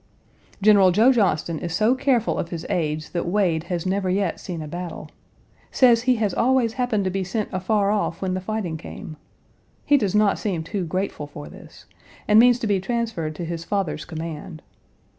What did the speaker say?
General Joe Johnston is so careful of his aides that Wade has never yet seen a battle. Says he has always happened to be sent afar off when the fighting came. He does not seem too grateful for this, and means to be transferred to his father's command.